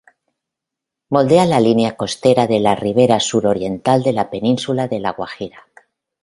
Moldea la línea costera de la ribera suroriental de la península de La Guajira.